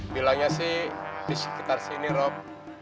bilangnya sih disekitar sini rob